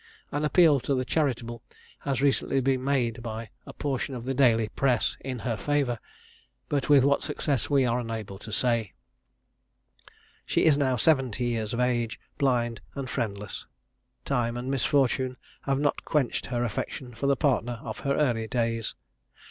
An appeal to the charitable has recently been made, by a portion of the daily press, in her favour, but with what success we are unable to say. She is now seventy years of age, blind, and friendless. Time and misfortune have not quenched her affection for the partner of her early days.